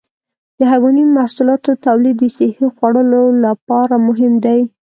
د حيواني محصولاتو تولید د صحي خوړو لپاره مهم دی.